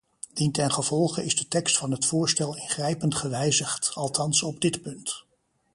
Dientengevolge is de tekst van het voorstel ingrijpend gewijzigd, althans op dit punt.